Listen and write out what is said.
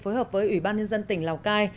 phối hợp với ủy ban nhân dân tỉnh lào cai